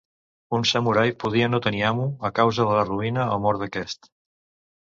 Un samurai podia no tenir amo a causa de la ruïna o mort d'aquest.